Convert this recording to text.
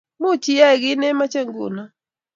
Muuch iyae kiit nemache nguno